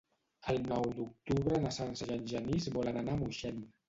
El nou d'octubre na Sança i en Genís volen anar a Moixent.